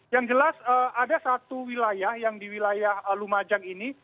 yang jelas ada satu wilayah yang di wilayah lumajang ini